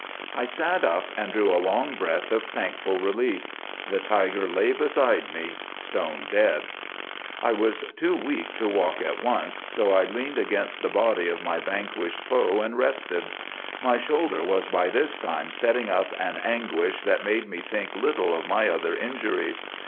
"'I sat up and drew a long breath of thankful relief. The tiger lay beside me, stone dead. "'I was too weak to walk at once, so I leaned against the body of my vanquished foe and rested. My shoulder was by this time setting up an anguish that made me think little of my other injuries.